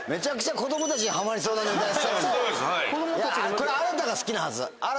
これあらたが好きなはず。